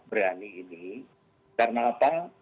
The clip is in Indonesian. berani ini karena